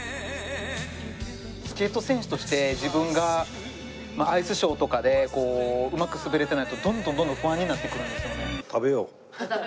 スケート選手として自分がアイスショーとかでうまく滑れてないとどんどんどんどん不安になってくるんですよね。